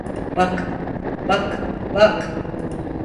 Bak, bak, bak.